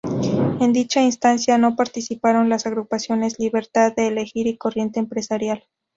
En dicha instancia, no participaron las agrupaciones Libertad de Elegir y Corriente empresarial.